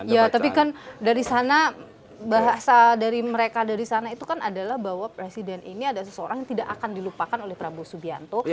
ya tapi kan dari sana bahasa dari mereka dari sana itu kan adalah bahwa presiden ini ada seseorang yang tidak akan dilupakan oleh prabowo subianto